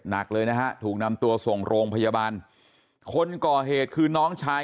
หนักเลยนะฮะถูกนำตัวส่งโรงพยาบาลคนก่อเหตุคือน้องชาย